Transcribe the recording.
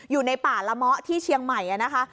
อยู่ในป่าละเมาะที่เชียงใหม่นะคะ